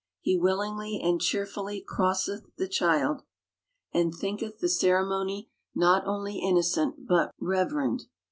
He wil lingly and cheerfully crosseth the child ; and thinketh THE COUNTRY PARSON. 49 the ceremony not only innocent, but reverend.